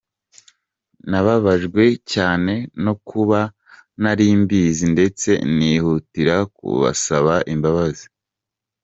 Nababajwe cyane no kuba ntarimbizi ndetse nihutira kubasaba imbabazi.